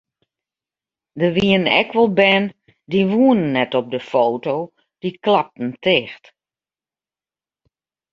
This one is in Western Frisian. Der wienen ek wol bern dy woenen net op de foto, dy klapten ticht.